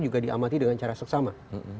juga diamati dengan cara seksama